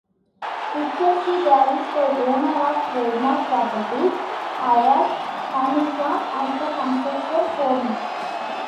Richard C. Davis, the owner of Trademark Properties, hired Hamilton as the construction foreman.